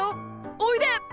おいで！